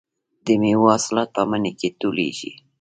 د میوو حاصلات په مني کې ټولېږي.